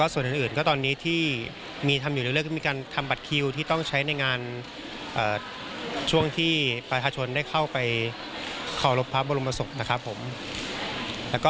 ส่วนอื่นก็ตอนนี้ที่มีการทำบัตรคิวที่ต้องใช้ในงานช่วงที่ประชาชนได้เข้าไปข่าวรบพระบรมศก